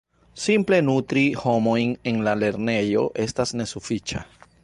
Simple nutri homojn en la lernejo estas nesufiĉa.